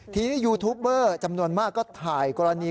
ทีนี้ยูทูปเบอร์จำนวนมากก็ถ่ายกรณี